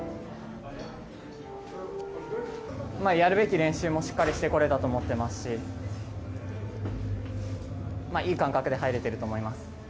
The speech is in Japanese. やるべき練習もしっかりしてこれたと思っていますしいい感覚で入れていると思います。